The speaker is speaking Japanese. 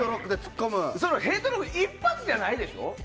ヘッドロック一発じゃないでしょ？